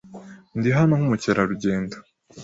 Ndi hano nkumukerarugendo.